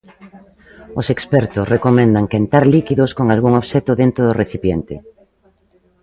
Os expertos recomendan quentar líquidos con algún obxecto dentro do recipiente.